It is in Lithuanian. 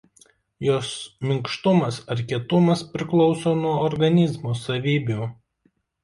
Jos minkštumas ar kietumas priklauso nuo organizmo savybių.